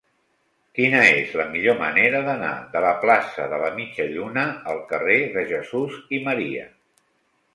Quina és la millor manera d'anar de la plaça de la Mitja Lluna al carrer de Jesús i Maria?